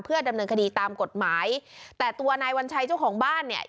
ดำเนินคดีตามกฎหมายแต่ตัวนายวัญชัยเจ้าของบ้านเนี่ย